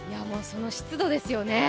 その湿度ですよね。